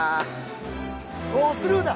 おおスルーだ！